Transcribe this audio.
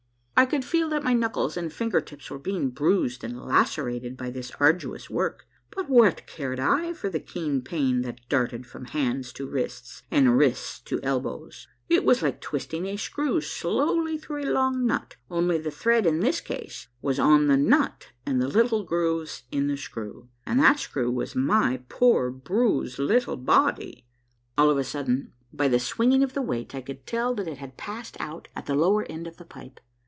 I could feel that my knuckles and finger tips were being bruised and lacerated by this arduous work, but what cared I for the keen pain that darted from hands to wrists, and wrists to elbows ! It was like twisting a screw slowly through a long nut, only the thread in this case was on the nut and the grooves in the screw, and that screw was my poor bruised little body ! All of a sudden, by the swinging of the weight, I could tell that it had passed out at the lower end of the pipe.